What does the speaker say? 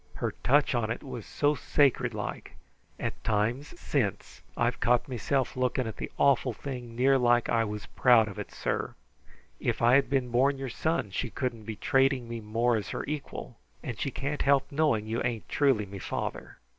Her touch on it was so sacred like, at times since I've caught meself looking at the awful thing near like I was proud of it, sir. If I had been born your son she couldn't be traiting me more as her equal, and she can't help knowing you ain't truly me father.